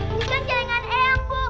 ini kan jaringan eang bu